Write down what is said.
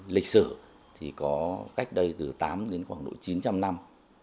lịch sử thì có cách đây từ tám đến khoảng độ chín trăm linh năm